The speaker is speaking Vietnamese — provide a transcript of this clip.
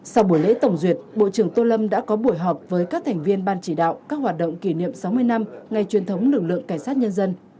sau buổi lễ tổng duyệt bộ trưởng tô lâm đã có buổi họp với các thành viên ban chỉ đạo các hoạt động kỷ niệm sáu mươi năm ngày truyền thống lực lượng cảnh sát nhân dân